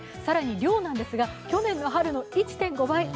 更に量なんですが、去年の春の１．５倍。